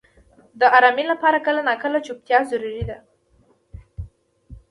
• د آرامۍ لپاره کله ناکله چوپتیا ضروري ده.